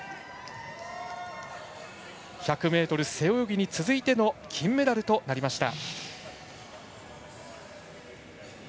１００ｍ背泳ぎに続いての金メダルとなりました。